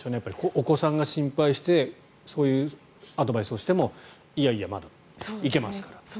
お子さんが心配してそういうアドバイスをしてもいやいや、まだいけますからと。